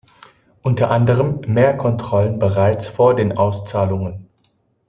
Unter anderem mehr Kontrollen bereits vor den Auszahlungen.